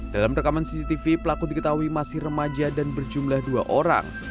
dalam rekaman cctv pelaku diketahui masih remaja dan berjumlah dua orang